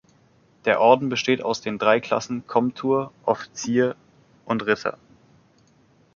Der Orden besteht aus den drei Klassen Komtur, Offizier und Ritter.